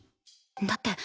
だって私